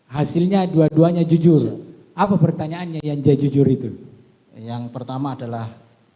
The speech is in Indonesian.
hasilnya dua duanya jujur apa pertanyaannya yang dia jujur itu yang pertama adalah